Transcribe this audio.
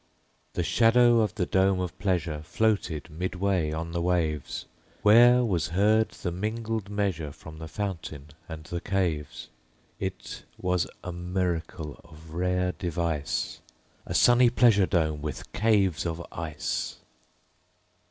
The shadow of the dome of pleasure Floated midway on the waves; Where was heard the mingled measure From the fountain and the caves. It was a miracle of rare device, A sunny pleasure dome with caves of ice!